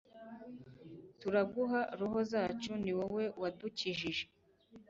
turaguha roho zacu, ni wowe wadukijije